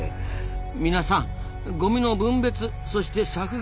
皆さんごみの分別そして削減。